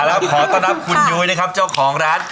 แล้วขอต้อนรับคุณยุ้ยนะครับเจ้าของร้าน